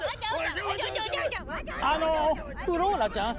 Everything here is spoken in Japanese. あのフローラちゃん？